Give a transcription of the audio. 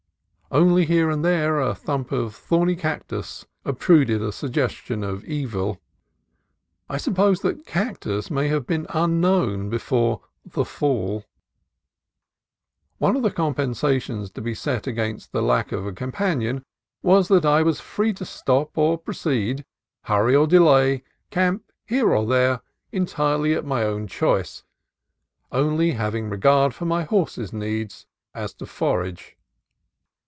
Only here and there a clump of thorny cactus obtruded a sugges tion of evil. I suppose that cactus may have been unknown before the Fall. CAMP BY THE OCEAN EDGE 65 One of the compensations to be set against the lack of a companion was that I was free to stop or proceed, hurry or delay, camp here or there, entirely at my own choice (only having regard to my horse's needs as to forage).